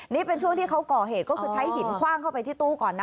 นี่เป็นช่วงที่เขาก่อเหตุก็คือใช้หินคว่างเข้าไปที่ตู้ก่อนนะ